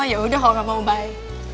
oh yaudah kalau gak mau bye